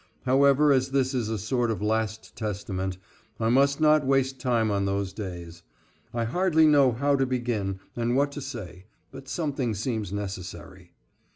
However as this is a sort of last testament I must not waste time on those days. I hardly know how to begin and what to say, but something seems necessary.